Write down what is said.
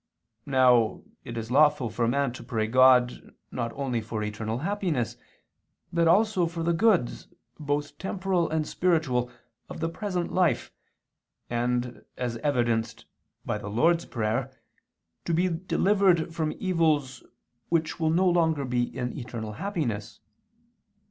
Now it is lawful for man to pray God not only for eternal happiness, but also for the goods, both temporal and spiritual, of the present life, and, as evidenced by the Lord's Prayer, to be delivered from evils which will no longer be in eternal happiness.